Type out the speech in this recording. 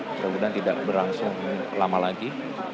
dan semoga tidak berlangsung lama lagi